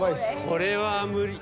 これは無理。